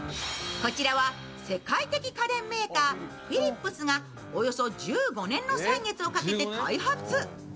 こちらは世界的家電メーカー、フィリップスがおよそ１５年の歳月をかけて開発。